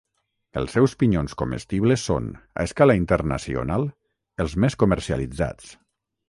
Els seus pinyons comestibles són, a escala internacional, els més comercialitzats.